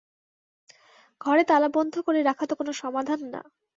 ঘরে তালাবন্ধ করে রাখা তো কোনো সমাধান না।